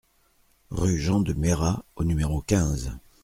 Rue Jean de Merat au numéro quinze